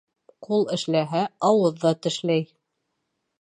Ҡул эшләһә, ауыҙ ҙа тешләй.